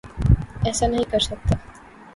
ایسا نہیں کرسکتا